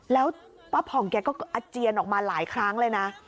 แล้วป้าผ่องแกก็อาเจียนออกมาหลายครั้งเลยนะ